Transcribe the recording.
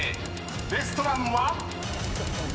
［レストランは⁉］